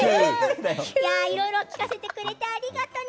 いろいろ聞かせてくれてありがとうね。